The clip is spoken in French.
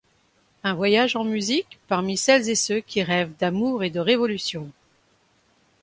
Un voyage en musique parmi celles et ceux qui rêvent d’amour et de révolution.